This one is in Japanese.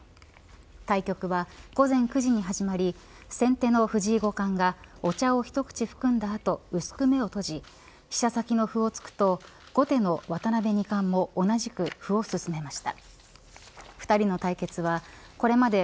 対局は、午前９時に始まり先手の藤井五冠がお茶を一口含んだ後薄く目を閉じ飛車先の歩をつくと後手の渡辺二冠も同じく歩を進めました。